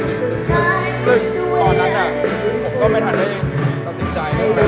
ซึ่งตอนนั้นน่ะผมก็ไม่ทันให้ตัดสินใจเลย